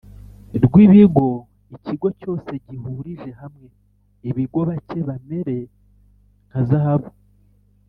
Rw ibigo ikigo cyose gihurije hamwe ibigo bacye bamere nka zahabu